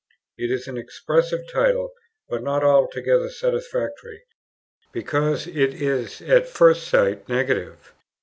It is an expressive title, but not altogether satisfactory, because it is at first sight negative.